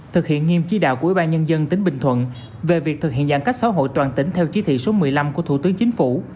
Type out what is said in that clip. thực hiện nghiêm chi đạo của ủy ban nhân dân tỉnh bình thuận về việc thực hiện giãn cách xã hội toàn tỉnh theo chí thị số một mươi năm của thủ tướng chính phủ